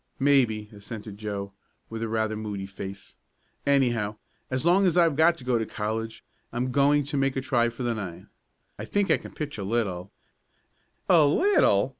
"Maybe," assented Joe with rather a moody face. "Anyhow, as long as I've got to go to college I'm going to make a try for the nine. I think I can pitch a little " "A little!"